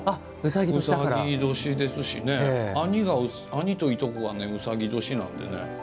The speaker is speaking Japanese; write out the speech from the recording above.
うさぎ年ですし、兄といとこがうさぎ年なんでね。